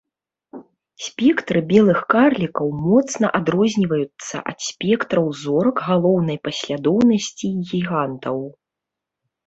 Спектры белых карлікаў моцна адрозніваюцца ад спектраў зорак галоўнай паслядоўнасці і гігантаў.